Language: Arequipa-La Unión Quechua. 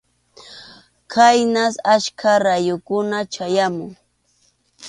Khaynas achka rayukuna chayamun.